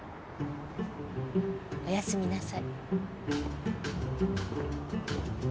おやすみなさい。